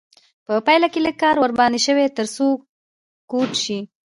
په پایله کې لږ کار ورباندې شوی تر څو کوټ شي.